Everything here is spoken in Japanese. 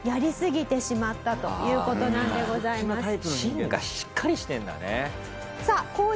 芯がしっかりしてるんだね。